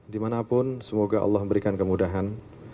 di mana pun semoga allah memberikan kemudahan